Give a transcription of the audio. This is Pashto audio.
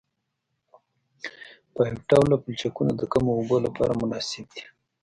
پایپ ډوله پلچکونه د کمو اوبو لپاره مناسب دي